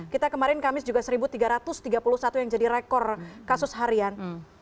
kita kemarin kamis juga satu tiga ratus tiga puluh satu yang jadi rekor kasus harian